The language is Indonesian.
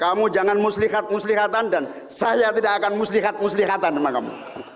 kamu jangan muslihat muslihatan dan saya tidak akan muslihat muslihatan sama kamu